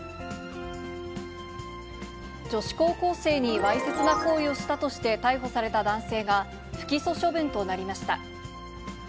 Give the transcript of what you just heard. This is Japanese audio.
女子高校生にわいせつな行為をしたとして逮捕された男性が、不起訴処分となりました。